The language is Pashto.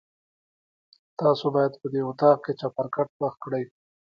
تاسو باید په دې اطاق کې چپرکټ خوښ کړئ.